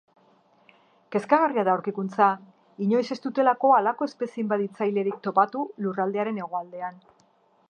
Kezkagarria da aurkikuntza, inoiz ez dutelako halako espezie inbaditzailerik topatu lurraldearen hegoaldean.